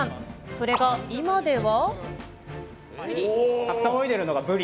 それが今では。